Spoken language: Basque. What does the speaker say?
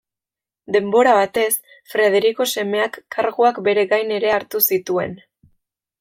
Denbora batez Frederiko semeak karguak bere gain ere hartu zituen.